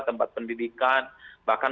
tempat pendidikan bahkan